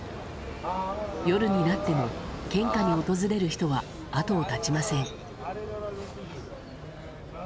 夜になっても献花に訪れる人は後を絶ちません。